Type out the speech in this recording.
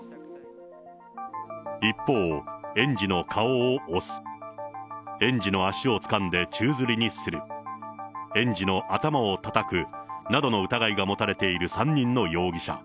一方、園児の顔を押す、園児の足をつかんで宙づりにする、園児の頭をたたくなどの疑いが持たれている３人の容疑者。